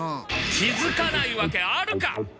気づかないわけあるか！